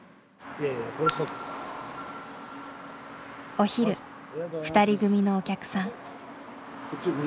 お昼２人組のお客さん。